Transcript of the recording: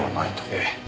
ええ。